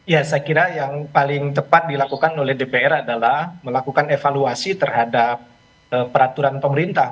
ya saya kira yang paling tepat dilakukan oleh dpr adalah melakukan evaluasi terhadap peraturan pemerintah